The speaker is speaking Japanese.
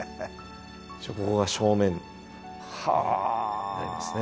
ここが正面になりますね。